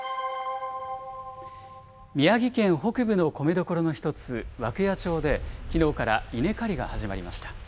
宮城県北部の米どころの１つ、涌谷町で、きのうから稲刈りが始まりました。